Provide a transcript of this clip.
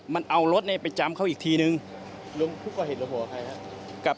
มันเอารถในไปจำเขาอีกทีหนึ่งรุ่งคือก่อเหตุหัวหัวใครครับ